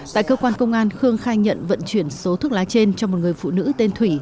tại cơ quan công an khương khai nhận vận chuyển số thuốc lá trên cho một người phụ nữ tên thủy